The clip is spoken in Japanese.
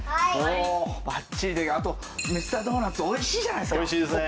もうバッチリであとミスタードーナツおいしいじゃないですかおいしいですね